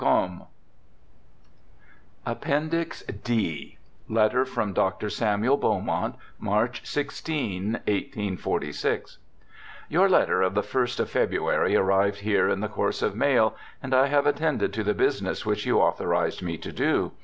Combe.' Appendix D Letter from Dr. Samuel Beaumont, March 16, 1846 :' Your letter of the ist of February arrived here in the course of mail, and I have attended to the business which you authorized me to do.